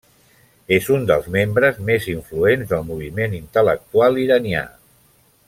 És un dels membres més influents del moviment intel·lectual iranià.